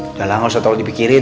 udah lah gak usah terlalu dipikirin